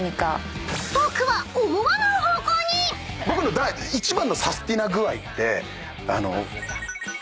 僕の１番のサスティな具合って。